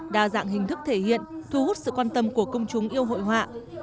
đa dạng hình thức thể hiện thu hút sự quan tâm của công chúng yêu hội họa